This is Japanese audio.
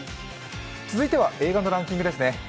続いては映画のランキングですね。